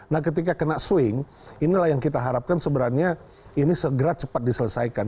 nah ketika kena swing inilah yang kita harapkan sebenarnya ini segera cepat diselesaikan